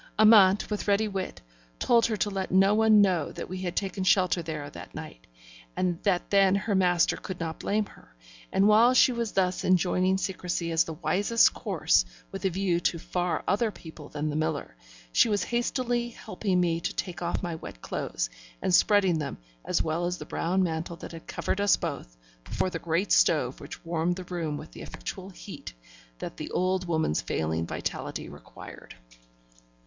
Amante, with ready wit, told her to let no one know that we had taken shelter there that night, and that then her master could not blame her; and while she was thus enjoining secrecy as the wisest course, with a view to far other people than the miller, she was hastily helping me to take off my wet clothes, and spreading them, as well as the brown mantle that had covered us both, before the great stove which warmed the room with the effectual heat that the old woman's failing vitality required.